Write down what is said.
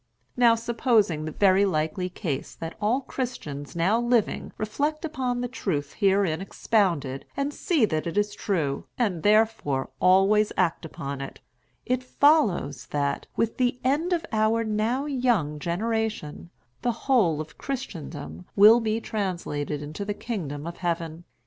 Now, supposing the very likely case that all Christians now living reflect upon the truth herein expounded, and see that it is true, and, therefore, always act upon it, it follows that, with the end of our now young generation, the whole of Christendom will be translated into the kingdom of heaven.